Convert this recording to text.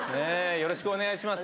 よろしくお願いします。